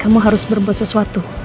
kamu harus berbuat sesuatu